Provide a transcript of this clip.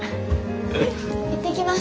行ってきます。